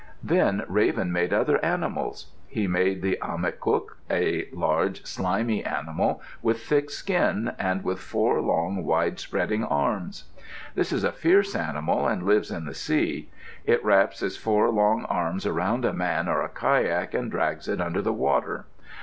Then Raven made other animals. He made the a mi kuk, a large, slimy animal, with thick skin, and with four long, wide spreading arms. This is a fierce animal and lives in the sea. It wraps its four long arms around a man or a kayak and drags it under the water.